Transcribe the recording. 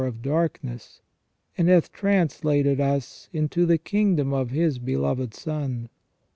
339 of darkness, and hath translated us into the kingdom of His beloved Son.